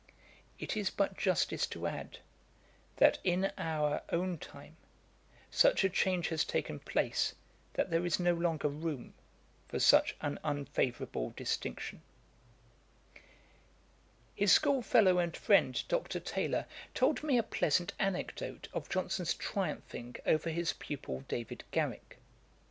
It is but justice to add, that in our own time such a change has taken place, that there is no longer room for such an unfavourable distinction. [Page 168: Garrick's mistakes in emphasis. A.D. 1744.] His schoolfellow and friend, Dr. Taylor, told me a pleasant anecdote of Johnson's triumphing over his pupil David Garrick.